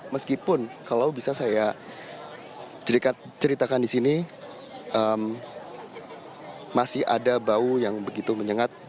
meskipun kalau bisa saya ceritakan di sini masih ada bau yang begitu menyengat